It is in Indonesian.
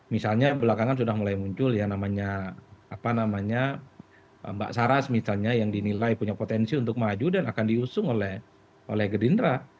misalnya belakangan sudah mulai muncul yang namanya mbak saras misalnya yang dinilai punya potensi untuk maju dan akan diusung oleh gerindra